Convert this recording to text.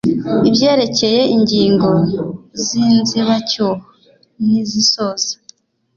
ibyerekeye ingingo z inzibacyuho n izisoza